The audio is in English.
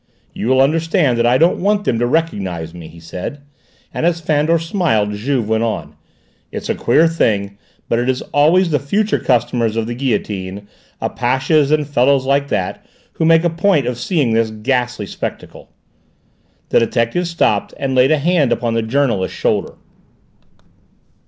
"You will understand that I don't want them to recognise me," he said, and as Fandor smiled Juve went on: "It's a queer thing, but it is always the future customers of the guillotine, apaches and fellows like that, who make a point of seeing this ghastly spectacle." The detective stopped and laid a hand upon the journalist's shoulder.